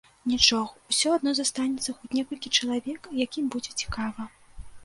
Нічога, усё адно застанецца хоць некалькі чалавек, якім будзе цікава.